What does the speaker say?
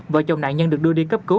vợ chồng nạn nhân được đưa đi cấp cứu